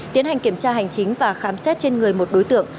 tiến hành kiểm tra hành chính và khám xét trên người một đối tượng